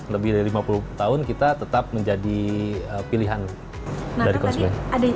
lebih dari lima puluh tahun kita tetap menjadi pilihan dari konsumen